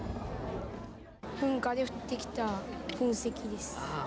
噴火で降ってきた噴石です。